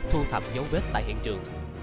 thu thập dấu vết tại hiện trường